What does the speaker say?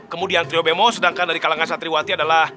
kemudian trio bemo sedangkan dari kalangan santriwati adalah